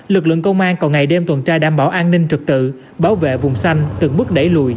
lực lượng công an còn ngày đêm tuần tra đảm bảo an ninh trực tự bảo vệ vùng xanh từng bước đẩy lùi